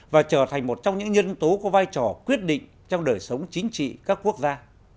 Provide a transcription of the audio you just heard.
và trở thành một trong những nhân tố có vai trò quyết định trong đời sống chính trị các quốc gia